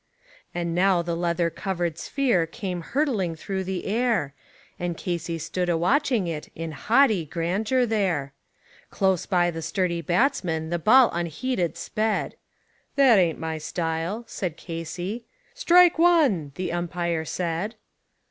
And now the leather covered sphere came hurtling through the air, And Casey stood a watching it in haughty grandeur there; Close by the sturdy batsman the ball unheeded sped: "That ain't my style," said Casey. "Strike one," the umpire said.